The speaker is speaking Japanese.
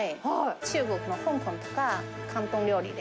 中国の香港とか広東料理で。